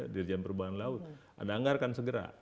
dirjan perhubungan laut anda anggarkan segera